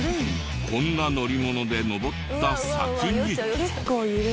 こんな乗り物でのぼった先に。